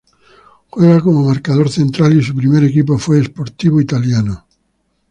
Juega como marcador central y su primer equipo fue Sportivo Italiano.